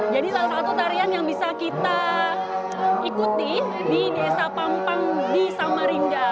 jadi salah satu tarian yang bisa kita ikuti di desa pampang di samarinda